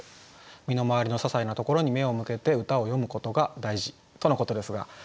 身の回りのささいなところに目を向けて歌を詠むことが大事とのことですが吉川さん